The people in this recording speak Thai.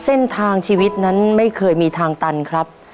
เส้นทางชีวิตนั้นไม่เคยมีทางตันครับ